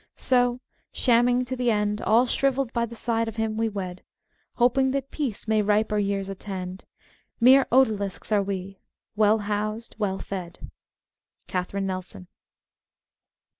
So, shamming to the end, ' s All shrivelled by the side of him we wed, I Hoping that peace may riper years attend. Mere odalisques are we — well housed, well fed. Kathirine Nelson.